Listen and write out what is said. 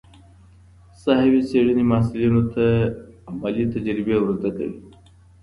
ساحوي څېړني محصلینو ته عملي تجربې ور زده کوي.